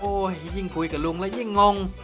ยิ่งคุยกับลุงแล้วยิ่งงง